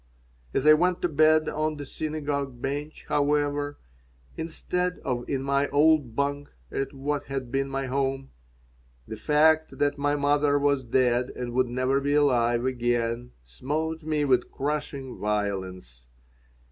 As I went to bed on the synagogue bench, however, instead of in my old bunk at what had been my home, the fact that my mother was dead and would never be alive again smote me with crushing violence.